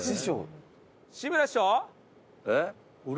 えっ？